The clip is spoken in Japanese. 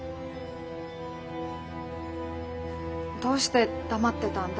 どうして黙ってたんだ？